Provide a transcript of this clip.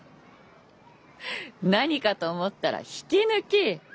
何かと思ったら引き抜き？